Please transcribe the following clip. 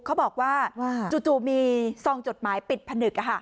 เขาบอกว่าจู่มีซองจดหมายปิดผนึก